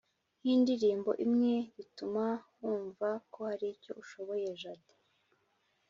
nk indirimbo imwe bituma wumva ko hari icyo ushoboye Jade